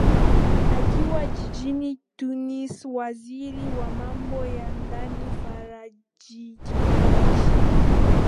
akiwa jijini tunis waziri wa mambo ya ndani faharaji raji